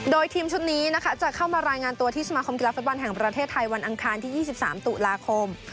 โดยทีมชุดนี้นะคะจะเข้ามารายงานตัวที่สมาคมกีฬาฟุตบอลแห่งประเทศไทยวันอังคารที่๒๓ตุลาคม